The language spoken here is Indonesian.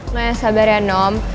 nggak sabar ya nom